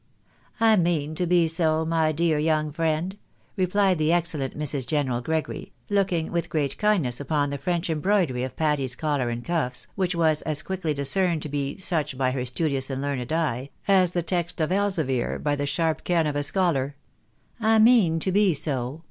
" I mean to be so, my dear young friend," replied the excellent Mrs. General Gregory, looking with great kindness upon the French embroidery of Patty's collar and cuffs, which was as quickly discerned to be such by her studious and learned eye, as the text of an Elzevir by the sharp ken of a scholar, —" I mean to be so.